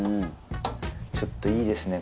ちょっといいですね